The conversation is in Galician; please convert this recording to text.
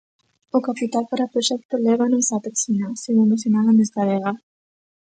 O capital para o proxecto lévanos até China, segundo sinalan desde Adega.